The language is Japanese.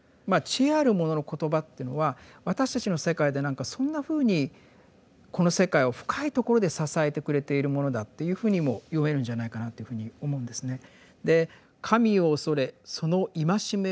まあ知恵ある者の言葉っていうのは私たちの世界で何かそんなふうにこの世界を深いところで支えてくれているものだというふうにも読めるんじゃないかなというふうに思うんですね。